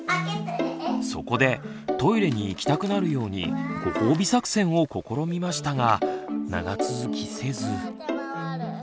そこでトイレに行きたくなるように「ご褒美作戦」を試みましたが長続きせず。